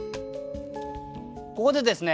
ここでですね